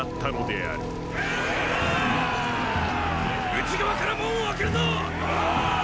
内側から門を開けるぞ！オオオッ！！